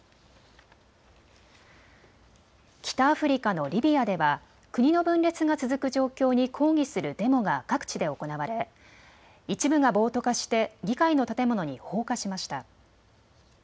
北アフリカのリビアでは国の分裂が続く状況に抗議するデモが各地で行われ一部が暴徒化して議会の建物に放火しました。